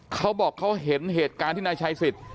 เขาบอกเขาเห็นเหตุการณ์ที่นายชายสิทธิ